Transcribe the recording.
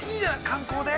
観光で？